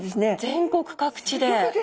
全国各地で。